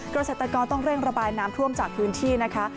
เกษตรกรต้องเร่งระบายน้ำท่วมจากพื้นที่นะคะ